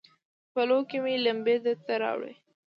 په پلو کې مې لمبې درته راوړي